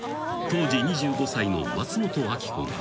当時２５歳の松本明子が］